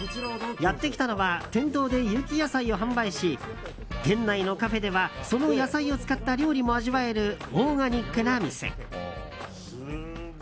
やってきたのは店頭で有機野菜を販売し店内のカフェではその野菜を使った料理も味わえるオーガニックな店。